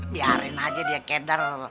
biarin aja dia keder